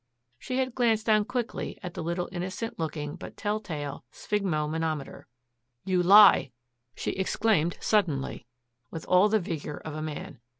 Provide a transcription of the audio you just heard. She had glanced down quickly at the little innocent looking but telltale sphygmomanometer. "You lie!" she exclaimed suddenly, with all the vigor of a man.